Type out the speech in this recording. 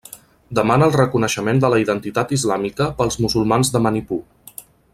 Demana el reconeixement de la identitat islàmica pels musulmans de Manipur.